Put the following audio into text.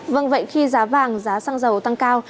vâng vậy khi giá vàng giá xăng dầu tăng cao